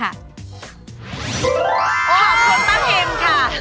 ขอบคุณป้าเพ็มค่ะ